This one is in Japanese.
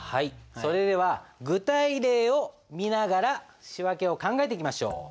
それでは具体例を見ながら仕訳を考えていきましょう。